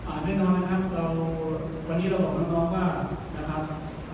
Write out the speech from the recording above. อ่าแน่นอนนะครับเราวันนี้เราบอกคุณน้องว่านะครับอ่า